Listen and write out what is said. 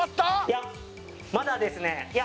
いやまだですねいや